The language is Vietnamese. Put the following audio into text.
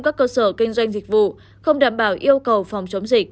các cơ sở kinh doanh dịch vụ không đảm bảo yêu cầu phòng chống dịch